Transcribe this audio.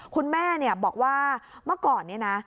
คุณแม่บอกว่ามาก่อนเนี่ยนะ